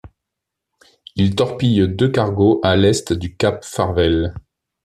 Il torpille deux cargos à l'est du cap Farvel.